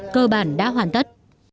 cơ bản đã hoàn tất